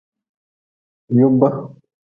Yub.